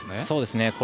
そうですね。